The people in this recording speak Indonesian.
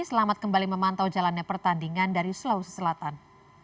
selamat kembali memantau jalannya pertandingan dari sulawesi selatan